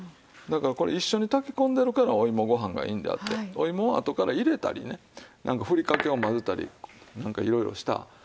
だからこれ一緒に炊き込んでるからお芋ご飯がいいんであってお芋をあとから入れたりねなんかふりかけを混ぜたりなんかいろいろした。